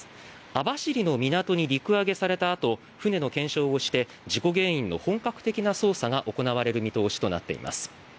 網走の港に陸揚げされたあと船の検証をして事故原因の本格的な捜査が行われる見通しとなっています。